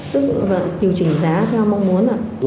tức là điều chỉnh giá theo mong muốn